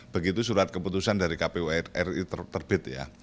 begitu surat keputusan dari kpu ri terbit ya